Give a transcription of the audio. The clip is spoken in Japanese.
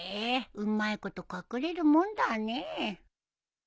うまいこと隠れるもんだねえ。